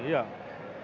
dari seluruh pertimbangan